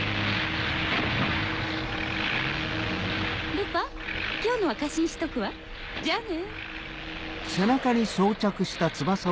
ルパン今日のは貸しにしとくわじゃあね。